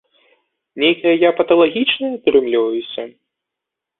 Нейкая я паталагічная атрымліваюся?